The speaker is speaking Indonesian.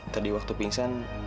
tadi waktu pingsan